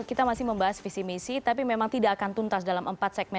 kita sekarang jeda dulu